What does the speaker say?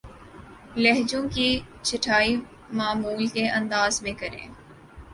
لہجوں کی چھٹائی معمول کے انداز میں کریں